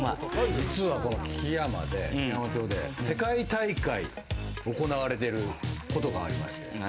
実は、この基山町で世界大会が行われていることがありまして。